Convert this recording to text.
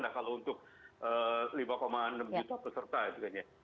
nah kalau untuk lima enam juta peserta